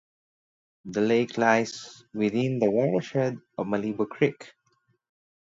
The lake lies within the watershed of Malibu Creek.